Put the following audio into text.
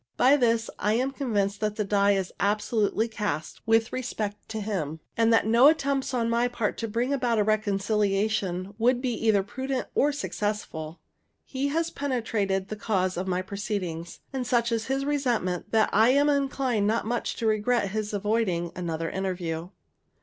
By this I am convinced that the die is absolutely cast with respect to him, and that no attempts on my part to bring about a reconciliation would be either prudent or successful. He has penetrated the cause of my proceedings; and such is his resentment, that I am inclined not much to regret his avoiding another interview.